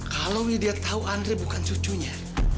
kalau dia tau andre bukan cucunya